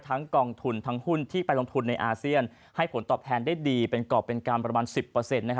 ทั้งกองทุนทั้งหุ้นที่ไปลงทุนในอาเซียนให้ผลตอบแทนได้ดีเป็นกรอบเป็นการประมาณสิบเปอร์เซ็นต์นะครับ